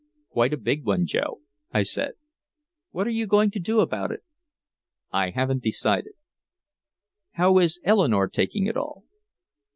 "Quite a big one, Joe," I said. "What are you going to do about it?" "I haven't decided." "How is Eleanore taking it all?"